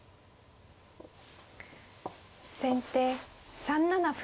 先手３七歩。